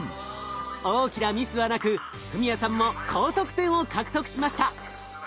大きなミスはなく史哉さんも高得点を獲得しました。